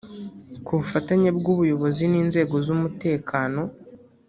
Ku bufatanye bw’ubuyobozi n’inzego z’umutekano